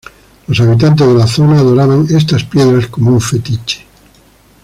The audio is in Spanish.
Los habitantes de la zona adoraban estas piedras como un fetiche.